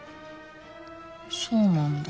そうなんだ。